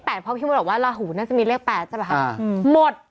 เพราะพี่มดบอกว่าลาหูน่าจะมีเลข๘ใช่ป่ะครับหมด